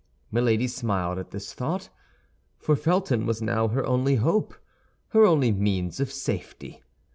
Milady smiled at this thought, for Felton was now her only hope—her only means of safety.